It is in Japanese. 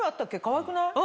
かわいくない？